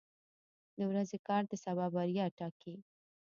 • د ورځې کار د سبا بریا ټاکي.